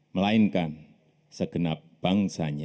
melainkan segenap bangsanya